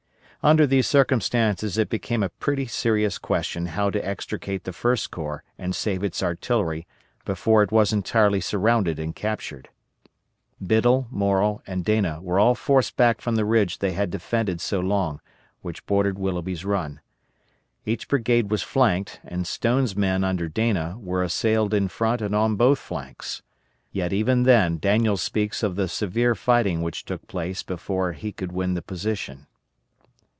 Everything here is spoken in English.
Under these circumstances it became a pretty serious question how to extricate the First Corps and save its artillery before it was entirely surrounded and captured. Biddle, Morrow, and Dana were all forced back from the ridge they had defended so long, which bordered Willoughby's Run. Each brigade was flanked, and Stone's men under Dana were assailed in front and on both flanks. Yet even then Daniel speaks of the severe fighting which took place before he could win the position.